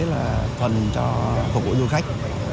là thuần cho phục vụ du khách